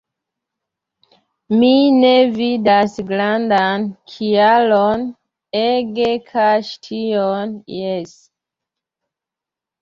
Mi ne vidas grandan kialon ege kaŝi tion – jes.